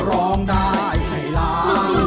ร้องได้ให้ล้าน